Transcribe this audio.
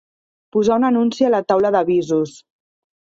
Posar un anunci a la taula d'avisos.